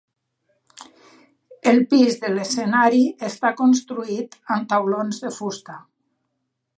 El pis de l'escenari està construït en taulons de fusta.